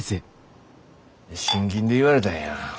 信金で言われたんや。